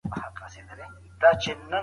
د عامو خلکو ګټه باید په پام کي ونیول سي.